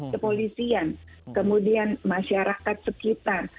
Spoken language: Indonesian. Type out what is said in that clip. kepolisian kemudian masyarakat sekitar